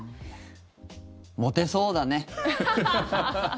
モテそうだね。